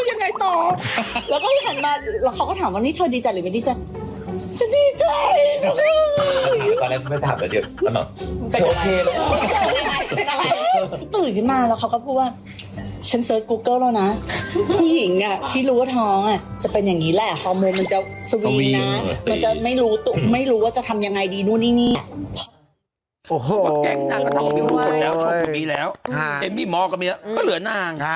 ยังไงต่อแล้วก็ที่กดมาเขาก็ถามว่านี่จัดหรือไม่ดีฉันดีใจตอนแรกมันไม่ถามเบ้ยเป็นอะไรเต็กเริ่มมาแล้วเขาก็พูดว่าชั้นเซอร์ชกูเกิ้ลแล้วนะผู้หญิงอ่ะที่รู้ว่าท้องอ่ะ